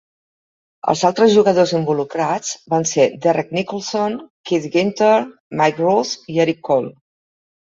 Els altres jugadors involucrats van ser Derrek Nicholson, Keith Ginter, Mike Rose i Eric Cole.